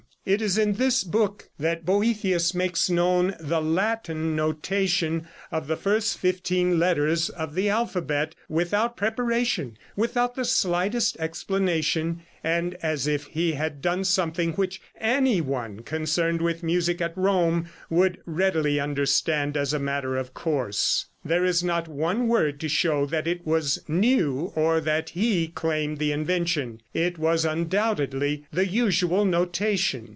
It is in this book that Boethius makes known the Latin notation of the first fifteen letters of the alphabet without preparation, without the slightest explanation, and as if he had done something which any one concerned with music at Rome would readily understand, as a matter of course. There is not one word to show that it was new, or that he claimed the invention. It was undoubtedly the usual notation.